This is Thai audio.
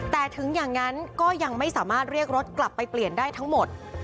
แต่ถึงอย่างนั้นก็ยังไม่สามารถเรียกรถกลับไปเปลี่ยนได้ทั้งหมด